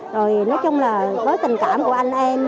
rồi nói chung là với tình cảm của anh em